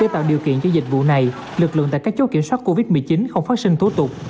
trong khi kiểm soát covid một mươi chín không phát sinh thủ tục